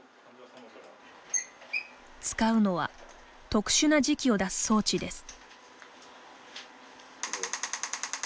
使うのは特殊な磁気を出す装置です。